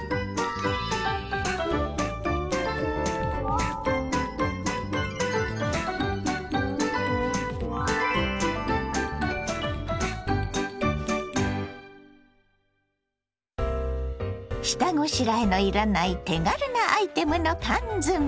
私は下ごしらえのいらない手軽なアイテムの缶詰。